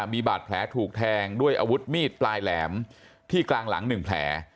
มีบาดแผลถูกแทงด้วยอาวุธมีดปลายแหลมที่กลางหลัง๑แผล